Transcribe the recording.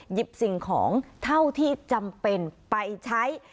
หยิบสิ่งของเท่าที่จำเป็นไปใช้